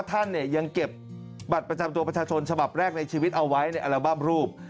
ท่านเนี่ยยังเก็บบัตรประจำตัวประชาชนฉบับแรกในชีวิตเอาไว้ในอัลบั้มรูป